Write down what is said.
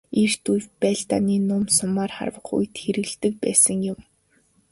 Эрт үед байлдааны нум сумаар харвах үед хэрэглэдэг байсан юм.